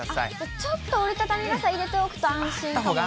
ちょっと折り畳み傘、入れておくと安心かもしれない。